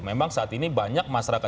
memang saat ini banyak masyarakat